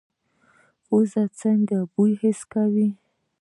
پوزه څنګه بوی حس کوي؟